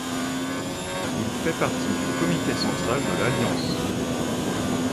Il fait partie du comité central de l'Alliance.